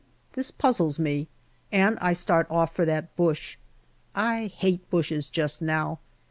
This puzzles me, and I start off for that bush. I hate bushes just now.